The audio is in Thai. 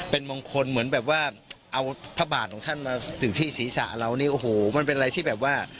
เป็นมงคลเหมือนแบบว่าเอาพระบาทของท่านมาถึงที่ศีรษะเรานี่โอ้โหมันเป็นอะไรที่แบบว่า